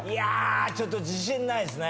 ちょっと自信ないですね。